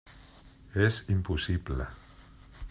És impossible.